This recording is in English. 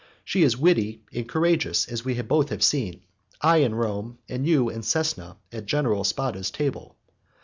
She is witty and courageous, as we have both seen, I in Rome and you in Cesena at General Spada's table.